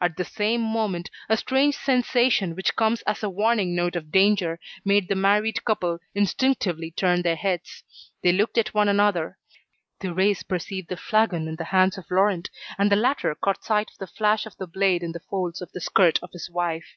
At the same moment, a strange sensation which comes as a warning note of danger, made the married couple instinctively turn their heads. They looked at one another. Thérèse perceived the flagon in the hands of Laurent, and the latter caught sight of the flash of the blade in the folds of the skirt of his wife.